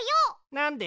なんで？